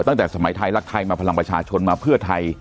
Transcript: ตั้งแต่สมัยไทยรักไทยมาพลังประชาชนมาเพื่อไทย